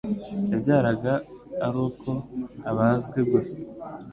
yabyaraga aruko abazwe gusa